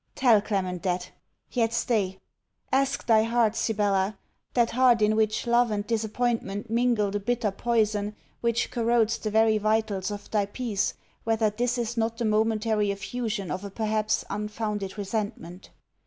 Tell Clement that yet stay ask thy heart, Sibella, that heart in which love and disappointment mingle the bitter poison which corrodes the very vitals of thy peace, whether this is not the momentary effusion of a perhaps unfounded resentment?